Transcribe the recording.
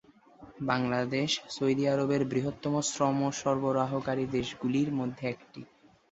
Bangladesh Saudi আরবের বৃহত্তম শ্রম সরবরাহকারী দেশগুলির মধ্যে একটি।